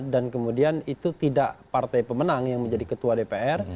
dan kemudian itu tidak partai pemenang yang menjadi ketua dpr